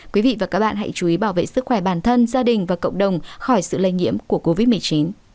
quý vị và các bạn hãy chú ý bảo vệ sức khỏe bản thân gia đình và cộng đồng khỏi sự lây nhiễm của covid một mươi chín